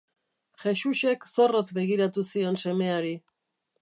Jexuxek zorrotz begiratu zion semeari.